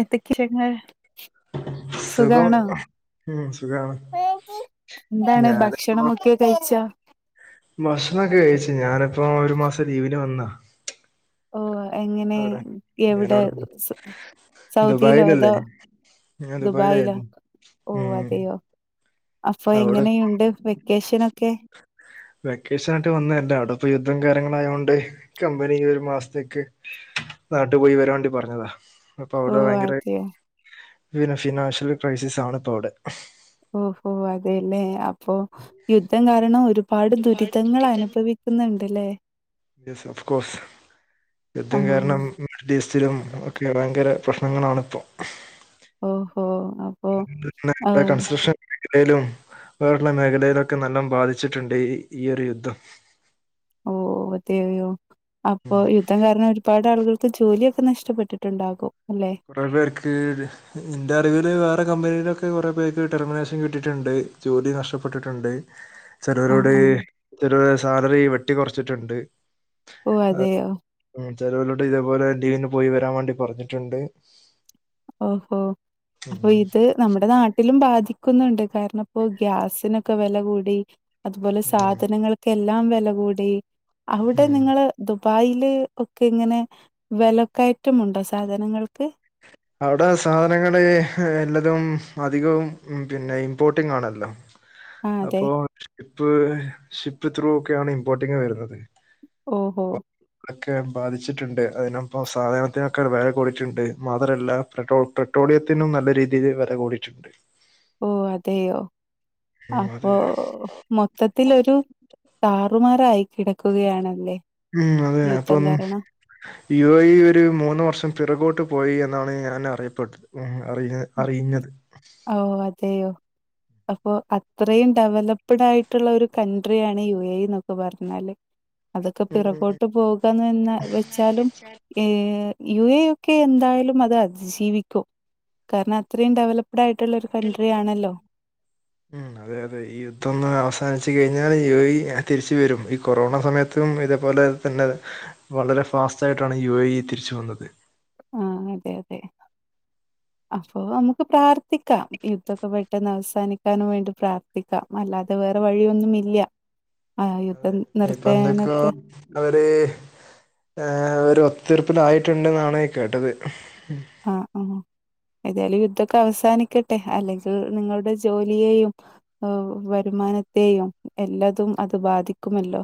എത്തക്കേ [unintelligible] സുഖം ഉം സുഖാണ്. എന്താണ് ഭക്ഷണംമൊക്കെ കഴിച്ചാ? ഭക്ഷണക്കെ കഴിച്ച് ഞാനപ്പം ഒരു മാസം ലീവിന് വന്ന. ഓ എങ്ങനെ എവിടെ ഞാനവിടെ സ സൗദിയിലോ ദുബായിലല്ലേ അതോ ഞാൻ ദുബായിലോ? ദുബായിലായിരുന്നു ഓഹ് ഉം അതെയോ അപ്പോ അവിടെ എങ്ങനെയുണ്ട് വെക്കേഷനൊക്കെ. വെക്കേഷൻ ആയിട്ട് വന്നല്ല അഒടെ ഇപ്പം യുദ്ധം കാര്യങ്ങളായോണ്ട് കമ്പനി ഈയൊരു മാസത്തേക്ക് നാട്ട് പോയി വരാൻ വേണ്ടി പറഞ്ഞത. ഓ അതെയോ. പിന്നെ ഫിനാൻഷ്യൽ ക്രൈസിസ് ആണ് ഇപ്പോ അഒടെ. ഓഹോ അതെല്ലേ അ പ്പോ യുദ്ധം കാരണം ഒരുപാട് ദുരിതങ്ങൾ അനുഭവിക്കുന്നുണ്ട്ല്ലേ? യെസ് ഒഫ്കോസ് യുദ്ധം ആഹ് കാരണം മിഡിൽ ഈസ്റ്റിലും ഒക്കെ ഭയങ്കര പ്രശ്നങ്ങളാണ് ഇപ്പോ. ഓഹോ അ [unintelligible] കൺസ്ട്രഷൻ ലയിലും വേറള്ള മേഖലയിലൊക്കെ നല്ലോം ബാധിച്ചിട്ടുണ്ട് ഈ ഈയൊരു യുദ്ധം. ഓഹോ അതെയോ. അപ്പൊ യുദ്ധം കാരണം പാടാള്കൾക്ക് ജോലിയൊക്കെ നഷ്ടപ്പെട്ടിട്ട്ണ്ടാകും. അല്ലെ? ത്രോ പേർക്ക്. ന്റെ അറിവില് വേറെ കമ്പനിയിലൊക്കെ കൊറേ പേർക്ക് ടെർമിനേഷൻ കിട്ടിയിട്ടുണ്ട്. ജോലി നഷ്ടപ്പെട്ടിട്ട്ണ്ട്. ആഹ് ചെലോരോട് ആഹ് ചെലോലെ സാലറി വെട്ടി കൊർച്ചിട്ട്ണ്ട്. ഓ. അതെയോ. ചെലോലോട് ഇതേപോലെ ലീവിന് പോയി വരാൻ വേണ്ടി പറഞ്ഞിട്ടുണ്ട്. ഓഹോ. ഉം അപ്പൊ ഇത്. നമ്മുടെ നാട്ടിലും ബാധിക്കുന്നുണ്ട്. കാരണപ്പൊ ഗ്യാസിനൊക്കെ വെല കൂടി. അത്പോലെ ഉം സാധനങ്ങൾക്കെല്ലാം വെല കൂടി. അവ്ടെ ഉം നിങ്ങള് ദുബായില് ഒക്കെങ്ങനെ വെലക്കയറ്റമുണ്ടോ സാധനങ്ങൾക്ക്? അവിടെ സാധനങ്ങള് എല്ലതും അധികവും പിന്നെ ഇമ്പോർട്ടിങ് ആണല്ലോ. ആ അതെ. അപ്പോ ഷിപ്പ് ഷിപ്പ് ത്രൂ ഒക്കെയാണ് ഇമ്പോർട്ടിങ്ങ് വരുന്നത്. ഓഹോ. ഒക്കെ ബാധിച്ചിട്ട്ണ്ട്. അതിനൊപ്പം സാധനത്തിനൊക്കെ വെല കൂടിയിട്ട്ണ്ട്. [unintelligible] പെട്രോളിയത്തി നും നല്ല രീതിയിൽ വെല കൂടിയിറ്റ്ണ്ട്. ഓ അതെയോ? ഉം അപ്പൊ അതെ മൊത്തത്തിലൊരു. താറുമാറായി കിടക്കുകയാണല്ലേ? ഉം. അതെ. യുദ്ധം അപ്പം കാരണം? യു എ ഇ ഒരു മൂന്ന് വർഷം പിറകോട്ട് പോയി എന്നാണ് ഞാൻ അറിയപ്പെ ഉം. അറി ഉം. അറിയിഞ്ഞത്. ഓ അതെയോ? അപ്പൊ അത്രയും ഡെവലപ്ഡ് ആയിട്ടുള്ള ഒരു കൻട്രിയാണ് യു എ ഇ ന്നൊക്കെ പറഞ്ഞാല്. അതൊക്കെ ഉം പിറകോട്ട് പോവുക ന്നൊന്ന് വെച്ചാലും. ഏ യു എ ഇ ഒക്കെ എന്തായാലും അത് അതിജീവിക്കും. കാരണം അത്രയും ഡെവലപ്ഡ് ആയിട്ടുള്ളൊരു കൺട്രി ആണല്ലോ. ഉം. ഉം. അതെ അതെ. ഈ യുദ്ധ ഒന്ന് അവസാനിച്ച് കഴിഞ്ഞാൽ യു എ ഇ തിരിച്ച് വരും. ഈ കൊറോണ സമയത്തും ഇതേപോലെ തന്നെ വളരെ ഫാസ്റ്റ് ആയിട്ടാണ് യു എ ഇ തിരിച്ചു വന്നത്. ആഹ്. അതെ അതെ. അപ്പൊ നമുക്ക് പ്രാർത്ഥിക്കാം യുദ്ധൊക്കെ പെട്ടെന്ന് അവസാനിക്കാനും വേണ്ടി പ്രാർത്ഥ ത്തിക്കാം. അല്ലാതെ വേറെ വഴിയൊന്നും ഇല്ല. അതെ യുദ്ധം ഇപ്പൊ എന്തൊക്കെയോ നിർത്താനൊക്കെ അവര് ഏ ഒരു ഒത്ത് തീർപ്പിലായിട്ട്ണ്ട്ന്നാണ് കേട്ടത്. ആഹ് ആഹ്. ഏതായാലും യുദ്ധ്ക്കെ അവസാനിക്കട്ടെ അല്ലെങ്കിൽ നിങ്ങളുടെ ജോലിയേയും ഓഹോ വരുമാനത്തെയും എല്ലതും അത് ബാധിക്കുമല്ലോ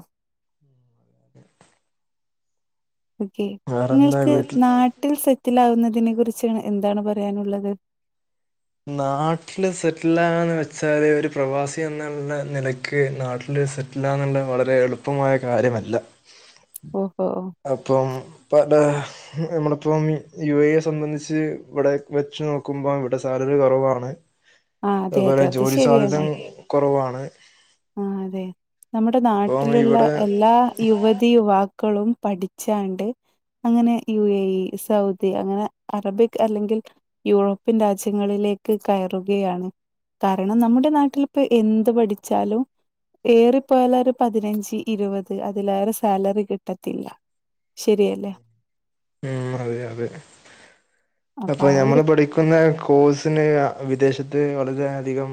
ഓക്കെ. വേറെന്താ നിങ്ങൾക്ക് വീട്ടിൽ നാട്ടിൽ സെറ്റിലാ വുന്നതിനെ കുറിച്ച് എന്താണ് പറയാനുള്ളത്? നാട്ടില് സെറ്റിലാകാന്ന് വെച്ചാല് ഒരു പ്രവാസി എന്നുള്ള നിലക്ക് നാട്ടില് സെറ് റ്റ് ലാവുണ്ട വളരെ എളുപ്പമായ കാര്യമല്ല. ഓഹോ. അപ്പം. [unintelligible] നമ്മളപ്പം യു എ ഇ യെ സംബന്ധിച്ച് ഇവടെ വെച്ച് നോക്കുമ്പം ഇവടെ സ് സാലറി കൊറവാണ്. ആ അതെ, അതെ. അത്പോലെ അത് ജോലി സാധ്യത കൊറവാണ്. ആഹ് അതെ നമ്മടെ അപ്പൊ നാട്ടില്ള്ള ഇവിടെ എല്ലാ യുവ തി യുവാക്കളും പഠിച്ചാണ്ട്. അങ്ങനെ യു എ ഇ, സൗദി അങ്ങനെ അറബിക് അല്ലെങ്കിൽ യൂറോപ്യൻ രാജ്യങ്ങളിലേക്ക് കയറുകയാണ്. കാരണം നമ്മടെ നാട്ടിലിപ്പൊ എന്ത് പഠിച്ചാലും ഏറിപ്പോയാലൊര് പതിനഞ്ച് ഇരുപത് അതിലേറെ സാലറി കിട്ടത്തില്ല. ശരിയല്ലേ ഉം അതെ യതെ അപ്പൊ ആ ഒരു ഞമ്മള് പഠി ക്ക്ന്ന കോഴ്സിന് അ വിദേശത്ത് വളരെയധികം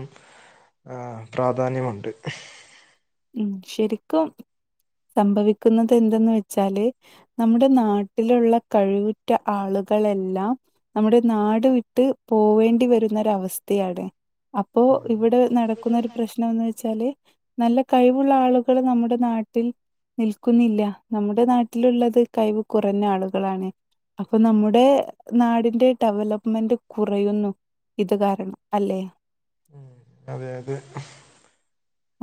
ആഹ് പ്രാധാന്യമുണ്ട്. ഉം ശെരിക്കും സംഭവിക്കുന്നത് എന്തെന്ന് വെച്ചാല് നമ്മടെ നാട്ടിലുള്ള കഴിവുറ്റ ആളുകളെല്ലാം നമ്മടെ നാട് വിട്ട് പോവേണ്ടി വരുന്നൊരവസ്ഥയാണ് അപ് പ്പോ ഇവ്ടെ നടക്കുന്നൊരു പ്രശ്നംന്ന് വെച്ചാല് നല്ല കഴിവുള്ള ആള്കൾ നമ്മുടെ നാട്ടിൽ നിൽക്കുന്നില്ല നമ്മുടെ നാട്ടില്ള്ളത് കഴിവ് കുറഞ്ഞ ആളുകളാണ്. അപ്പൊ നമ്മുടെ നാടിന്റെ ഡെവലപ്മെന്റ് കുറയുന്നു. ഇത് കാരണം അല്ലേ അതെ യതെ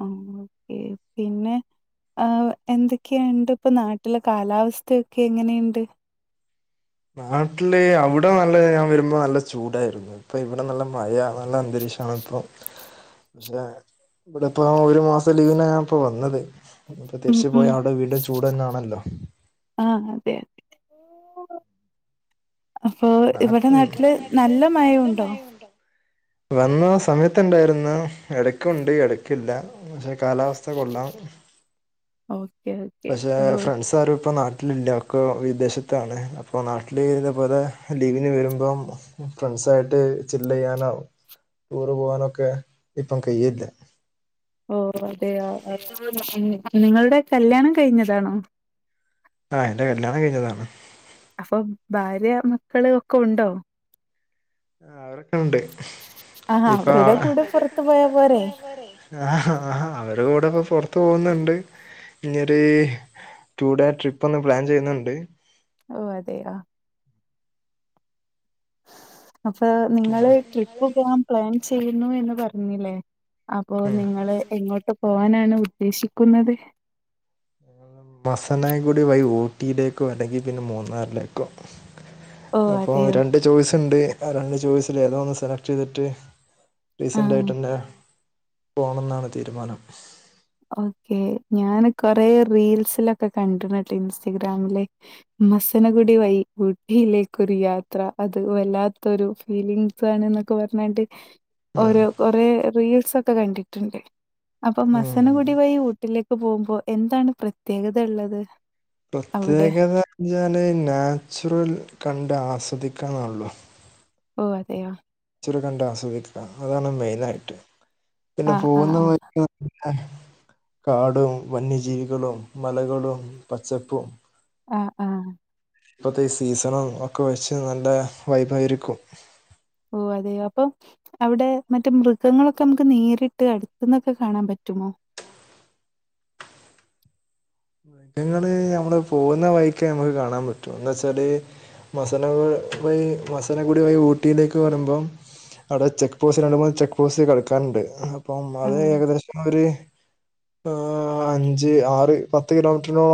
ഉം ഓക്കേ പിന്നെ ആഹ് എന്തെക്കെണ്ട് ഇപ്പൊ നാട്ടിലെ കാലാവസ്ഥക്കെ എങ്ങനെയുണ്ട്? നാട്ടില് അവടെ നല്ല ഞാൻ വരുമ്പോ നല്ല ചൂടായിരുന്നു ഇപ്പൊ ഇവടെ നല്ല മഴ നല്ല അന്തരീക്ഷണിപ്പൊ പക്ഷെ ഇവടെ പ്പോ ഒരു മാസം ലീവിനാ ഞാനിപ്പൊ വന്നത് ഇഞ്പ്പൊ ഉം തിരിച്ച് പോയ ഉം അവടെ വീണ്ടും ചൂടെന്നെണല്ലോ ആഹ് അതെ യതെ അപ്പൊ ഓ ഇവടെ നാട്ടില് നല്ല മഴയുണ്ടോ? വന്ന സമയത്ത്ണ്ടായിര്ന്ന് എടക്ക്ണ്ട് എടക്കില്ല പക്ഷേ കാലാവസ്ഥ കൊള്ളാം ഓക്കെ ഓക്കെ പക്ഷേ ഓ ഫ്രണ്ട്സ് സാരു പ്പം നാട്ടിലില്ല ഒക്കെ വിദേശത്താണ് അപ്പോ നാട്ടില് ഇതേ പോലെ ലീവിന് വെരുമ്പം ഫ്രണ്ട്സായിട്ട് ചില്ലെയ്യാനൊ ടൂറ് പോവാനൊക്കെ ഇപ്പം കയ്യില്ല. ഓഹ് അതെ യൊ [unintelligible] നിങ്ങളുടെ കല്യാണം കഴിഞ്ഞതാണോ? ആഹ് എന്റെ കല്യാണം കഴിഞ്ഞതാണ്. അപ്പം ഭാര്യ മക്കള് ഒക്കൊണ്ടോ? ആഹ് അവരൊക്കെണ്ട് ആഹ് ഇപ്പ അവരുടെ അവര്ടെ പുറത്തു കൂടെ പുറത്ത് പോരെ? പോയാ പോരേ ആഹ് ആഹ് അവര്ടെ കുടെക്കെ പൊറത്ത് പോകുന്നുണ്ട്. ഇനിയൊര് ടു ഡേ ട്രിപ്പൊന്ന് പ്ലാൻ ചെയ്യുന്ന്ണ്ട്. ഓഹ് അതെയാ അപ്പൊ നിങ്ങൾ ട്രിപ്പ് പോവാൻ പ്ലാൻ ചെയ്യുന്നു എന്ന് പറഞ്ഞില്ലേ അപ്പൊ ഉം നിങ്ങള് എങ്ങോട്ട് പോവാനാണ് ഉദ്ദേശിക്കുന്നത്? മസനകുടി വഴി ഊട്ടിയിലേക്കോ അല്ലെങ്കി പിന്നെ മൂന്നാറിലേക്കോ ഓ അപ്പൊ അതെയോ രണ്ട് ചോയ്സ്ണ്ട്. ആ രണ്ട് ചോയ്സില് ഏതേ ഒന്ന് സെലക്ട് ചെയ്തിട്ട് ആ റീസന്റ് ആയിട്ടെന്നെ പോണന്നാണ് തീരുമാനം ഓക്കെ ഞൻ കൊറെ റീൽസിലൊക്കെ കണ്ടിണ് ട്ടൊ ഇൻസ്റ്റഗ്രാമില് മസനഗുടി വഴി ഊട്ടിയിലേക്കൊരു യാത്ര അത് വല്ലാത്തൊരു ഫീലിംഗ സാണ് എന്നൊക്കെ പറഞ്ഞാണ്ട് ഉം ഓരോ കൊറേ റീൽസ് ഒക്കെ കണ്ടിട്ടുണ്ട് അപ്പൊ ഉം. മസനകുടി വൈ ഊട്ടിലെ ട്രിപ്പ് പോകുമ്പോ എന്താണ് പ്രത്യേകതള്ളത് പ്രത്യേകത എന്ന് വച്ചാൽ നാച്ചുറൽ കണ്ട് ആസ്വദിക്കാന്നള്ളൂ ഓഹ് അതെയോ ച്ചുറർ കണ്ട് ആസ്വദിക്ക അതാണ് മെയിൻ ആയിട്ട് പിന്നെ ആ ആ പോകുന്ന ആ വഴിക്ക് കാടും വന്യജീവികളും മലകളും പച്ചപ്പും ആഹ് ആഹ് ഇപ്പത്തെ ഈ സീസണ ഒക്കെ വെച്ച് നല്ല വൈബായിരിക്കും ഓഹ് അതെ അപ്പം അവിടെ മറ്റേ മൃഗങ്ങളൊക്കെ നമുക്ക് നേരിട്ട് അടുത്ത് ന്നൊക്കെ കാണാൻ പറ്റുമോ ങ്ങള് നമ്മള് പോകുന്ന വൈക്ക് നമുക്ക് കാണാൻ പറ്റും എന്ത ച്ചാല് മസന വഴി മസനാഗുടി വഴി ഊട്ടിയിലേക്ക് വരുമ്പം അടെ ചെക്ക് പോസ്റ്റ് രണ്ട മൂന്ന് ചെക്ക് പോസ്റ്റ് കടക്കാനുണ്ട് അപ്പം അത് ആഹ്. ഏകദേശം ഒരു ആഹ് അഞ്ച് ആറ് പത് പത്ത് കിലോമീറ്ററിനോ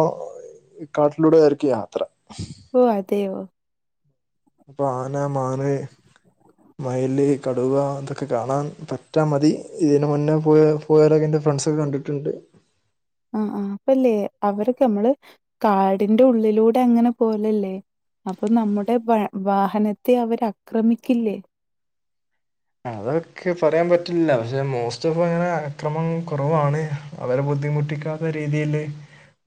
കാട്ടിലൂടെ ആയിരിക്കും യാത്ര ഓഹ് അതെയൊ അപ്പൊ ആന മാന് മയ്ല് കടുവ ഇതൊക്കെ കാണാൻ പറ്റാ മതി ഇതിന് മുന്നേ പോയ. പോയാരോക്കെ എൻ്റെ ഫ്രണ്ട്സൊക്കെ കണ്ടിട്ടുണ്ട് അഹ് ആഹ് അപ്പല്ലേ അവർക് നമ്മള് കാടിന്റെ ഉള്ളിലൂടെ അങ്ങനെ പോലല്ലേ അപ്പൊ നമ്മുടെ വാഹനത്തെ അവർ അക്രമിക്കില്ലേ അതൊക്കെ പറയാൻ പറ്റില്ല പക്ഷെ മോസ്റ്റ് ഓഫ് അങ്ങനെ അക്രമം കുറവാണ് അവരെ ബുദ്ധിമുട്ടിക്കാത്ത രീതിയിൽ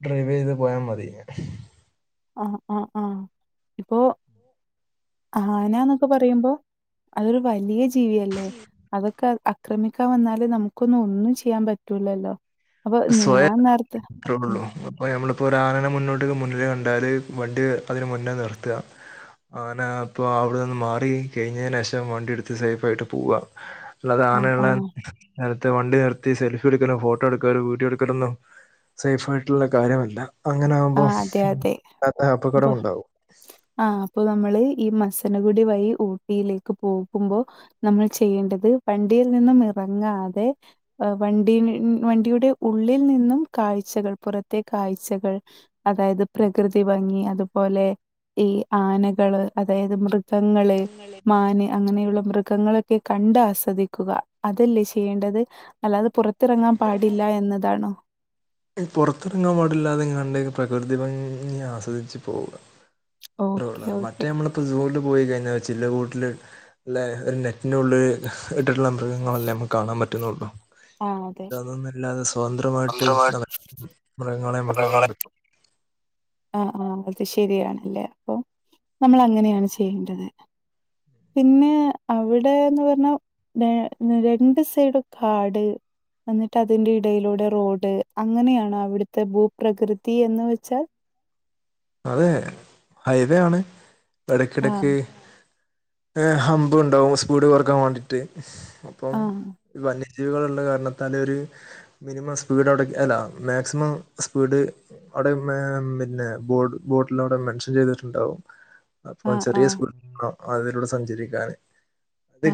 ഡ്രൈവ് ചെയ്ത് പോയാ മതി ആഹ് ആഹ് ആഹ് ഇപ്പോ ആന ന്നൊക്കെ പറയുമ്പോ അതൊരു വലിയ ജി ജീവിയല്ലേ അതൊക്കെ ആക്രമിക്കാൻ വന്നാലേ നമുക്കൊന്നും ഒന്നും ചെയ്യാൻ പറ്റൂലല്ലോ അപ്പൊ ഞാൻ നേരത്തെ ആഹ്, ത്രള്ളൂ അപ്പൊ നമ്മളിപ്പോ ഒര് ആനനെ മുന്നോട്ട് മുന്നില് കണ്ടാല് വണ്ടി അതിന് മുന്നേ നിർത്ത ആന അപ്പൊ അവിടെന്ന് മാറി കഴിഞെന് ശേഷം വണ്ടി എടുത്ത് സേഫ ആയിട്ട് പോവാ അല്ലാതെ ആഹ്, ആനെല്ല ആഹ്. നേരത്തെ വണ്ടി നിർത്തി സെൽഫി എടുക്കലൊ ഫോട്ടോ എടു ക്കല് വീഡിയൊടുക്കലൊന്നും സേഫ് ആയിട്ടുള്ള കാര്യമല്ല അങ്ങനെ ആ ആകുമ്പോ [unintelligible] അപകടം ഉണ്ടാവും ആഹ് അപ്പൊ നമ്മള് ഈ മസനഗുടി വഴി ഊട്ടിയിലേക്ക് പോകുമ്പോ നമ്മൾ ചെയ്യേണ്ടത് വണ്ടിയിൽ നിന്നും ഇറങ്ങാതെ എഹ് വണ്ടി വണ്ടിയുടെ ഉള്ളിൽ നിന്നും കാഴ്ചകൾ പുറത്തെ കാഴ്ചകൾ അതായത് പ്രകൃതി ഭംഗി അതുപോലെ ഈ ആനകള് അതായത് മൃഗങ്ങള് മാന് അങ്ങനെയുള്ള മൃഗങ്ങളൊക്കെ കണ്ട് ആസ്വദിക്കുക അതല്ലേ ചെയ്യേണ്ടത് അല്ലാതെ പുറത്തിറങ്ങാൻ പാടില്ല എന്നതാണോ പുറത്തിറങ്ങാൻ പാടില്ലാതങ്ങണ്ട് പ്രകൃതി ഭംഗി ആസ്വദിച്ച് പോവുക ഓക്കെ അത്രേള്ള് ഓക്കെ മറ്റേ നമ്മളിപ്പോ സൂൽ പോയി കഴിഞ്ഞാ ചില്ല് കൂട്ടില് ല്ലെ ഒരു നെറ്റിനുള്ളിൽ ഇട്ടിട്ടുള്ള മൃഗങ്ങളല്ലേ നമുക്ക് കാണാൻ പറ്റുന്നുള്ളൂ. ആ അതെ തതൊന്നൊല്ലാതെ സ്വതന്ത്രമായിട്ട് ന മൃഗങ്ങളെ നമുക്ക് കാണാൻ പറ്റും. ആഹ് ആഹ് അത് ശരിയാണല്ലേ അപ്പൊ നമ്മളങ്ങനെയാണ് ചെയ്യേണ്ടത്. പിന്നെ അവിടെന്ന് പറഞ്ഞാ രണ്ട് സൈഡും കാട്. വന്നിട്ട് അതിന്റെ ഇടയിലൂടെ റോഡ് അങ്ങനെയാണോ അവിടുത്തെ ഭൂപ്രകൃതി എന്ന് വെച്ചാൽ? അതെ ഹൈവേ ആണ് ആഹ് ടക്കിടക്ക് ഹംമ്പുണ്ടാവും സ്പീഡ് കൊറക്കാൻ വേണ്ടീട്ട് അപ്പം ആഹ് വന്യജീവികള് ള്ള കാരണത്താല് ഒര് മിനിമം സ്പീഡ് അവിടെ അല്ല മാക്സിമം സ്പീഡ് അവിടെ ് പിന്നെ- ബോട് ബോട്ടിലവടെ മെൻഷൻ ചെയ്തിട്ടുണ്ടാവും അപ്പൊ ആഹ് ചെറിയ ആഹ് സ്‌പീ വേണം അതിലൂടെ സഞ്ചരിക്കാന് അത്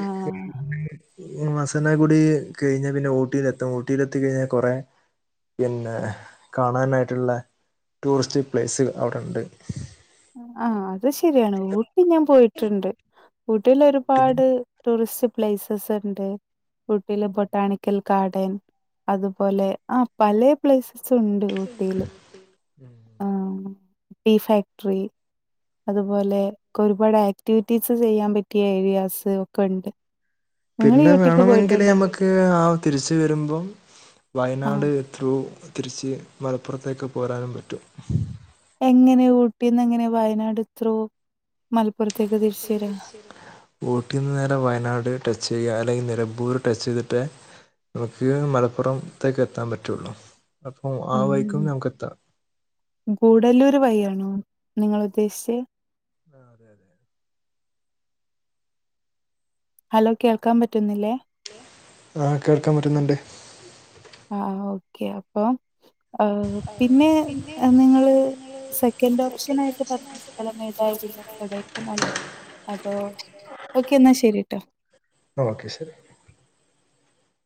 മസന ഗുടി കഴിഞ്ഞാൽ പിന്നെ ഊട്ടിയിലെത്തും ഊട്ടിയിലെത്തിക്കഴിഞ്ഞാൽ കൊറേ പിന്നെ ് കാണാനായിട്ടുള്ള ടൂറിസ്റ്റ് പ്ലേസ് അവിടെണ്ട്. ആഹ് അത് ശരിയാണ് ഊട്ടി ഞാൻ പോയിട്ടുണ്ട്. ഊട്ടില ഒരുപാട് ടൂറിസ്റ്റ് പ്ലേസസ്ണ്ട്. ഊട്ടീല് ബൊട്ടാണിക്കൽ ഗാർഡൻ അതുപോലെ ആഹ് പലേ പ്ലേസസുണ്ട്.... ഊട്ടിയില് ആഹ് ടീഫാക്ടറി..... അതുപോലെക്കൊരുപാട് ആക്ടിവിറ്റീസ് ചെയ്യാൻ പറ്റിയ ഏരിയാസ് ഒക്കെണ്ട്..... പിന്നെ വേണമെങ്കിൽ ഞമ്മക്ക് ആഹ് തിരിച്ച് വരുമ്പം ആഹ് വയനാട്.......... ത്രൂ തിരിച്ച് മലപ്പുറത്തേക്ക് പോരാനും പറ്റും............. എങ്ങനെ ഊട്ടീന്നെങ്ങനെ വയനാട് ത്രൂ മലപ്പുറത്തേക്ക് തിരിച്ചു വരാ? ഊട്ടിന്ന് നേരെ വയനാട് ടച്ച് ചെയ്യുക അല്ലെങ്കിൽ നിലമ്പൂര് ടച്ചെയ്തിട്ട് നമുക്ക് മലപ്പുറം ത്തേക്ക് എത്താൻ പറ്റുള്ളു അപ്പൊ ആ വൈക്കും ഉം നമുക്ക് എത്താം..... ഗൂഡല്ലൂര് വഴിയാണോ നിങ്ങളുദ്ദേശിച്ചേ? ആഹ് ആതെ അതെ അതെ. ഹലോ കേൾക്കാൻ പറ്റുന്നില്ലേ? ആഹ് കേൾക്കാൻ പറ്റുന്നുണ്ട്. ആ ഓക്കെ അപ്പൊ പിന്നെ നിങ്ങള്.... സെക്കൻ്റോപ്ഷനായിട്ട് പറഞ്ഞ സ്ഥലം ഏതായിരുന്നു കൊടൈകനാലോ? അതോ ഓക്കെ ന്നാ ശരിട്ടോ..... ഓക്കെ ശരി....